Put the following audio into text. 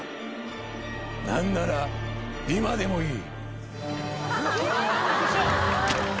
何なら今でもいい。